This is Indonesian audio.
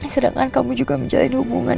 sedangkan kamu juga menjalin hubungan